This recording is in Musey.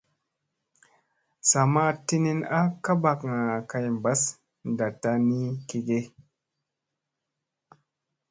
Sa ma tinin a ka ɓakŋa kay mbas ndattana ni ki ge.